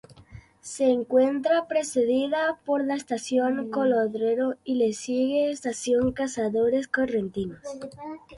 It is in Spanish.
Se encuentra precedida por la Estación Colodrero y le sigue Estación Cazadores Correntinos.